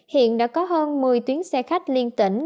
hiện đã có hơn một mươi tuyến xe khách liên tỉnh